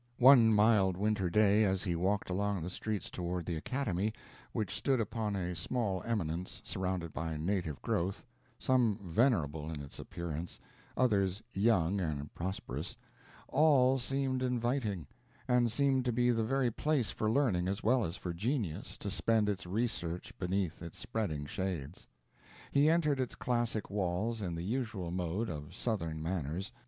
One mild winter day as he walked along the streets toward the Academy, which stood upon a small eminence, surrounded by native growth some venerable in its appearance, others young and prosperous all seemed inviting, and seemed to be the very place for learning as well as for genius to spend its research beneath its spreading shades. He entered its classic walls in the usual mode of southern manners.